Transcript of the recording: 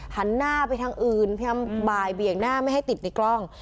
หันหน้าไปทางอื่นพยายามบ่ายเบี่ยงหน้าไม่ให้ติดในกล้อง